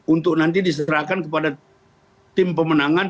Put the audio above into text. untuk nanti diserahkan kepada tim pemenangan